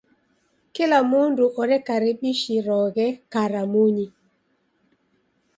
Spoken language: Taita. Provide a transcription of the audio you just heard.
Kila mndu orekaribishiroghe karamunyi.